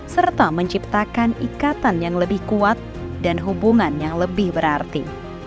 serta menciptakan ikatan yang lebih kuat dan hubungan yang lebih berarti